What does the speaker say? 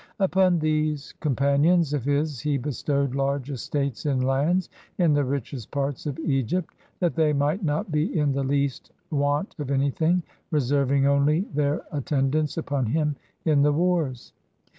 Upon these companions of his he bestowed large estates in lands, in the richest parts of Eg3^t, that they might not be in the least want of anything, reserving only their attendance upon him in the wars.